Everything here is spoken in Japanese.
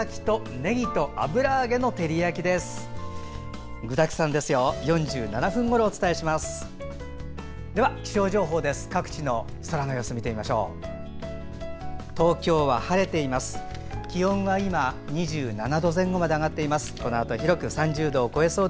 各地の空の様子見てみましょう。